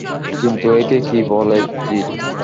কিন্তু একেই কি বলে জিত?